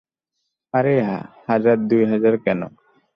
আরে, হাজার দুই হাজার কেন?